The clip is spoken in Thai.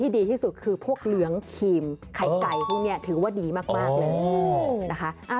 ดีที่สุดคือพวกเหลืองครีมไข่ไก่พวกนี้ถือว่าดีมากเลยนะคะ